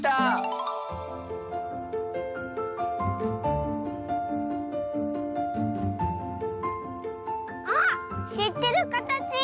しってるかたち。